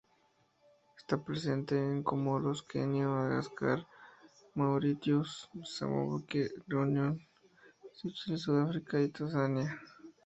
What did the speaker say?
Está presente en Comoros, Kenia, Madagascar, Mauritius, Mozambique, Reunión, Seychelles, Sudáfrica y Tanzania.